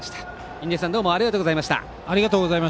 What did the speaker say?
印出さん、どうもありがとうございました。